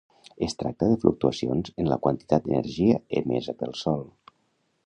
Es tracta de fluctuacions en la quantitat d'energia emesa pel sol.